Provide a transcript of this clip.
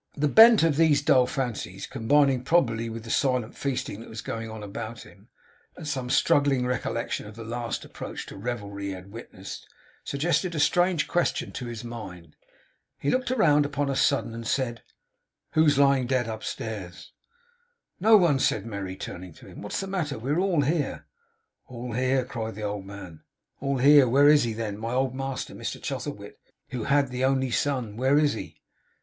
The bent of these dull fancies combining probably with the silent feasting that was going on about him, and some struggling recollection of the last approach to revelry he had witnessed, suggested a strange question to his mind. He looked round upon a sudden, and said: 'Who's lying dead upstairs?' 'No one,' said Merry, turning to him. 'What is the matter? We are all here.' 'All here!' cried the old man. 'All here! Where is he then my old master, Mr Chuzzlewit, who had the only son? Where is he?